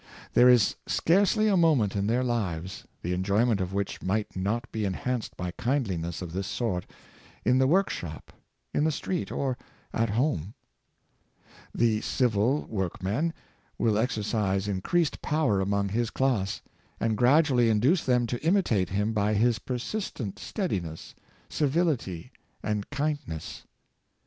There is scarcely a moment in their lives the enjoyment of which might not be enhanced by kindliness of this sort — in the work shop, in the street, or at home. The civil workman will exercise increased power among his class, and grad ually induce them to imitate him by his persistent steadiness, civility and kindness.